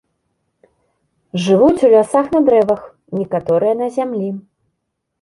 Жывуць у лясах на дрэвах, некаторыя на зямлі.